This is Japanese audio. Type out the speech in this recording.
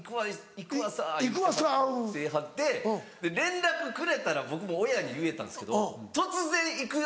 「行くわさ」。って言いはって連絡くれたら僕も親に言えたんですけど突然いくよ・